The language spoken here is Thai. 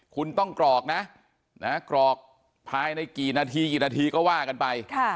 คุณต้องกรอกนะกรอกภายในกี่นาทีกี่นาทีก็ว่ากันไป